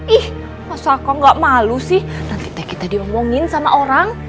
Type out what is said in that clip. ih masa kok gak malu sih nanti teh kita diomongin sama orang